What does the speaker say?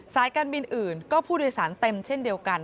การบินอื่นก็ผู้โดยสารเต็มเช่นเดียวกัน